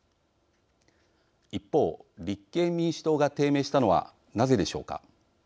一方、立憲民主党が低迷したのはなぜでしょうか。